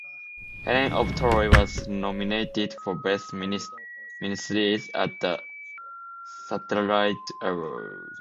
"Helen of Troy" was nominated for best miniseries at the Satellite Awards.